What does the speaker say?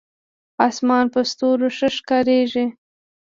اسمان په ستورو ښه ښکارېږي.